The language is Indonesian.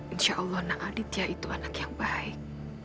insya allah nang aditya itu anak yang baik